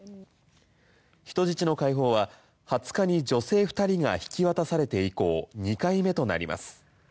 人質の解放は２０日に女性２人が引き渡されて以降２回目となります。